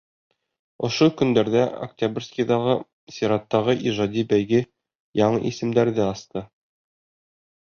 Ошо көндәрҙә Октябрьскийҙағы сираттағы ижади бәйге яңы исемдәрҙе асты.